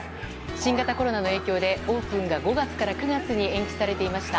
新型コロナの影響でオープンが５月から９月に延期されていました。